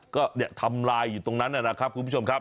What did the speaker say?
ก็เนี่ยทำลายอยู่ตรงนั้นนะครับคุณผู้ชมครับ